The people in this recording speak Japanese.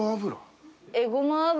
えごま油